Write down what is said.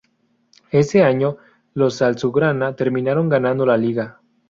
Ese año, los azulgrana terminaron ganando la liga.